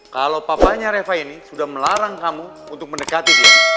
kalau papanya reva ini sudah melarang kamu untuk mendekati dia